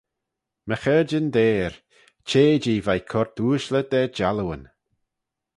My chaarjyn deyr, çhea-jee veih coyrt ooashley da jallooyn.